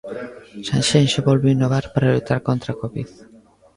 Sanxenxo volve innovar para loitar contra a Covid.